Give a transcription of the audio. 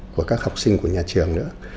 của các học sinh của nhà trường nữa